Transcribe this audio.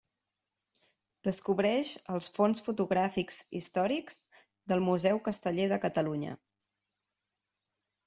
Descobreix els fons fotogràfics històrics del Museu Casteller de Catalunya.